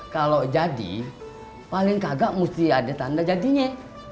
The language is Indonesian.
kalau jadi paling kagak mesti ada tanda jadinya